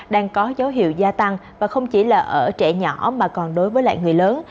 đang có dấu hiệu gia tăng và không chỉ là ở trẻ nhỏ mà còn đối với lại người lớn